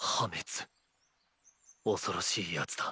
恐ろしいやつだ。